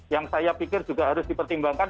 yang saya pikir juga harus dipertimbangkan